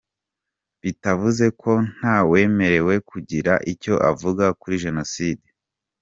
Bitavuze ko ntawemerewe kugira icyo avuga kuri Jenoside.